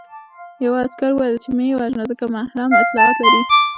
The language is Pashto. یوه عسکر وویل چې مه یې وژنه ځکه محرم اطلاعات لري